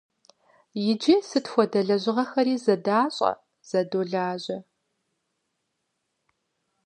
Иджы сыт хуэдэ лэжьыгъэри зэдащӀэ, зэдолажьэ.